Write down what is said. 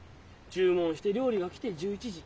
注文して料理が来て１１時。